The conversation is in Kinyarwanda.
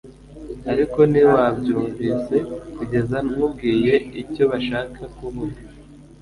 ariko ntiwabyumvise kugeza nkubwiye icyo bashaka kuvuga